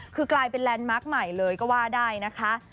คือกลายเป็นแลนด์มาร์คใหม่เลยก็ว่าได้นะคะ